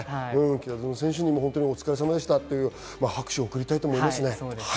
北園選手にもお疲れ様でしたと拍手を贈りたいと思いますね。